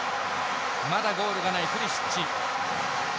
まだゴールがないプリシッチ。